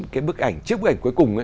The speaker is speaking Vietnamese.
cái bức ảnh chiếc bức ảnh cuối cùng